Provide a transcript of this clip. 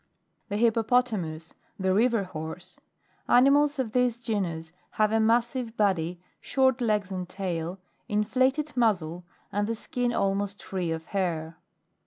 The HIPPOPOTAMUS, the River Horse, (Plate 5, fig. 4.) Animals of this genus have a massive body, short legs and tail, inflated muzzle, and the skin almost free of hair.